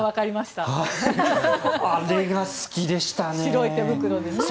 あれは好きでしたね。